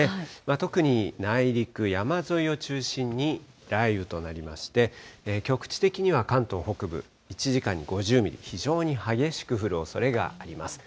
特に内陸、山沿いを中心に雷雨となりまして、局地的には関東北部、１時間に５０ミリ、非常に激しく降るおそれがあります。